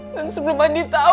dan sebelum andi tahu